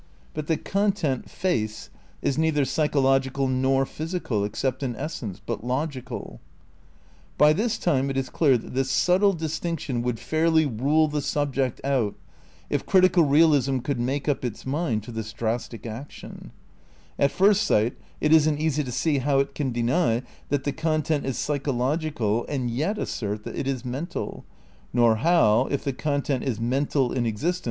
But the content, face, is nei ther psychological nor physical (except in essence) but logical.* By this time it is clear that this subtle distinction would fairly rule the subject out, if critical realism could make up its mind to this drastic action. At first sight it isn't easy to see how it can deny that the con tent is psychological and yet assert that it is mental, nor how, if the content is mental in existence, it can ^ On the Nature of the Datum (Essays in Critical Eealism), pp. 227, 228. "The same, pp. 228, 229.